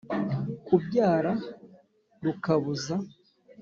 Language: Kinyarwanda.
kubyara rukabuza